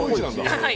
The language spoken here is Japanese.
はい。